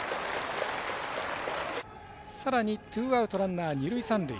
さらに、ツーアウトランナー、二塁、三塁。